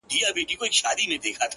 • ظالمه یاره سلامي ولاړه ومه,